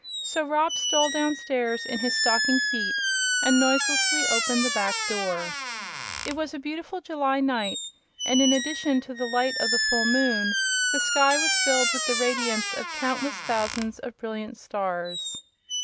So Rob stole down stairs in his stocking feet and noiselessly opened the back door. It was a beautiful July night and, in addition to the light of the full moon, the sky was filled with the radiance of countless thousands of brilliant stars.